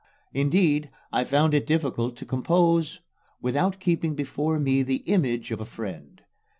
Indeed, I found it difficult to compose without keeping before me the image of a friend.